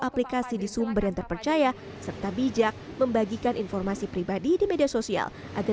aplikasi di sumber yang terpercaya serta bijak membagikan informasi pribadi di media sosial agar